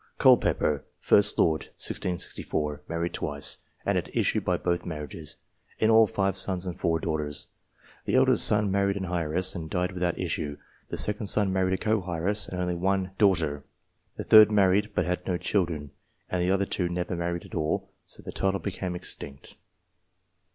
Colpepper, 1st Lord (1664). Married twice, and had issue by both marriages ; in all, five sons and four daughters. The eldest son married an heiress, and died without issue. The second son married a co heiress, and had only one daughter. The third married, but had no children, and the other two never married at all, so the title became extinct.